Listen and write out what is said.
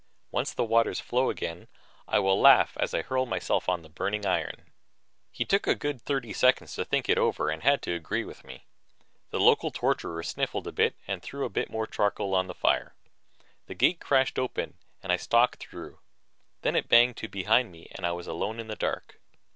Once the waters flow again, I will laugh as I hurl myself on the burning iron." He took a good thirty seconds to think it over and had to agree with me. The local torturer sniffled a bit and threw a little more charcoal on the fire. The gate crashed open and I stalked through; then it banged to behind me and I was alone in the dark.